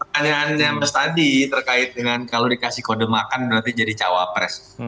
pertanyaannya mas tadi terkait dengan kalau dikasih kode makan berarti jadi cawapres